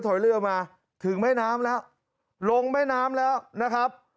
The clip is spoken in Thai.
ยเรือมาถึงแม่น้ำแล้วลงแม่น้ำแล้วนะครับ